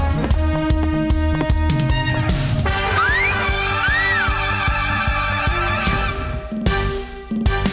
เมมมาประจันบาน